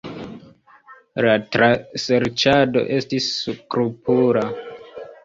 La traserĉado estis skrupula.